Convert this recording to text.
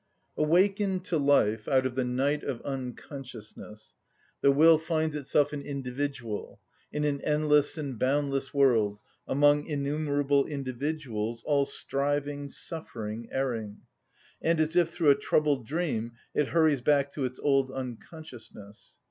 Awakened to life out of the night of unconsciousness, the will finds itself an individual, in an endless and boundless world, among innumerable individuals, all striving, suffering, erring; and as if through a troubled dream it hurries back to its old unconsciousness.